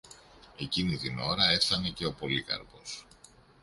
Εκείνη την ώρα έφθανε και ο Πολύκαρπος.